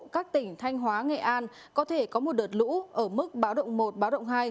các tỉnh thanh hóa nghệ an có thể có một đợt lũ ở mức báo động một báo động hai